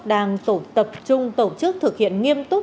đang tập trung tổ chức thực hiện nghiêm túc